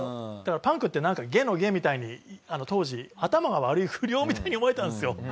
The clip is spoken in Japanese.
パンクって下の下みたいに当時頭が悪い不良みたいに思われていたんですよ。